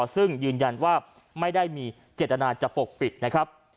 ซึ่งยืนยันว่าไม่ได้มีเจตนาจะปกปิดนะครับ